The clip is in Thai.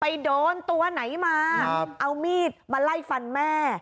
ไปโดนตัวไหนมาเอามีดมาไล่ฟันแม่